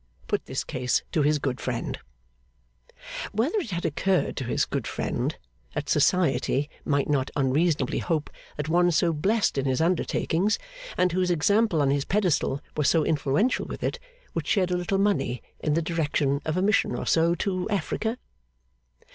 put this case to his good friend: Whether it had occurred to his good friend, that Society might not unreasonably hope that one so blest in his undertakings, and whose example on his pedestal was so influential with it, would shed a little money in the direction of a mission or so to Africa?